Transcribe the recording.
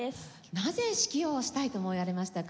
なぜ指揮をしたいと思われましたか？